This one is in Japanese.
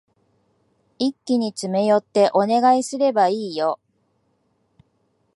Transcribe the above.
一気に詰め寄ってお願いすればいいよ。